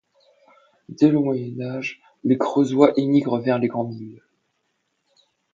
Dès le Moyen Âge, les creusois émigrent vers les grandes villes.